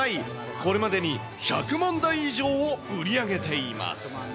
これまでに１００万台以上を売り上げています。